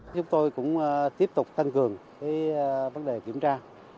chúng tôi cũng tiếp tục tăng cường vấn đề kiểm tra